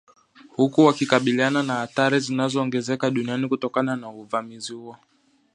huku wakikabiliana na atahri zinazoongezeka duniani kutokana na uvamizi huo